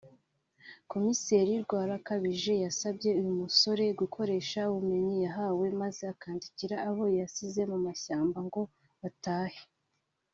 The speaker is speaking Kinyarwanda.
Commissaire Rwarakabije yasabye uyu musore gukoresha ubumenyi yahawe maze akandikira abo yasize mu mashyamba ngo batahe